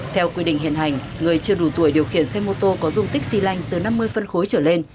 theo quy định hiện hành người chưa đủ tuổi điều khiển xe mô tô có dung tích xy lanh từ năm mươi phân khối trở lên